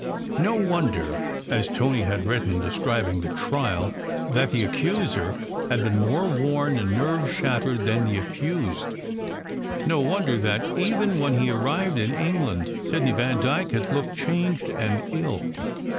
No wonder (as Tony had written, describing the trial) that the accuser had been more worn and nerve shattered than the accused. No wonder that, even when he arrived in England, Sidney Vandyke had looked changed and ill!